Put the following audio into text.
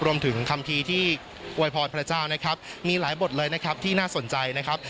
รวมถึงคำทีที่ไว้พอดพระเจ้านะครับมีหลายบทเลยนะครับที่น่าสนใจนะครับ